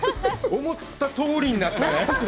思ったとおりになったね！